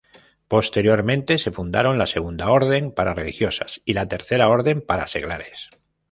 Posteriormente, se fundaron la Segunda Orden, para religiosas, y la Tercera Orden, para seglares.